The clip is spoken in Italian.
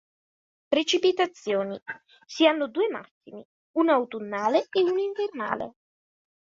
Precipitazioni: si hanno due massimi, uno autunnale e uno invernale.